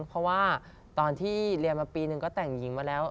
เพราะว่าตอนที่เรียนมาปีหนึ่งก็แต่งหญิงมาแล้ว